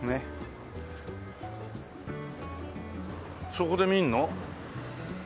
そこで見るの？